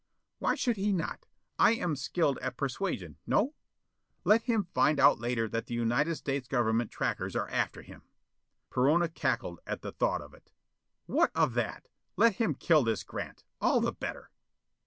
"Why should he not? I am skilful at persuasion, no? Let him find out later that the United States Government trackers are after him!" Perona cackled at the thought of it. "What of that? Let him kill this Grant. All the better."